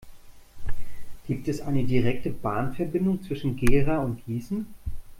Gibt es eine direkte Bahnverbindung zwischen Gera und Gießen?